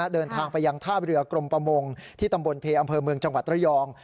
เดินทางไปยังท่าเรือกรมประมงที่ตำบลเพอำเภอเมืองจังหวัดระยอง